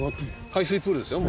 海水プールですよね